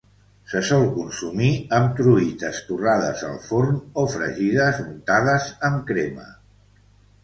Se sol consumir amb truites torrades al forn o fregides, untades amb crema.